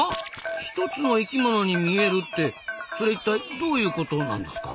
一つの生きものに見えるってそれ一体どういうことなんですか？